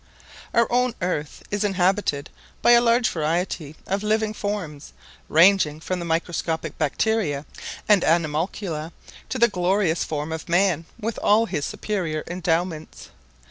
Our own Earth is inhabited by a large variety of living forms ranging from the microscopic bacteria and animalcula to the glorious form of man with all his superior endowments.